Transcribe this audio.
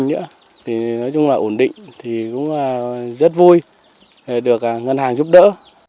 được ngân hàng giúp đỡ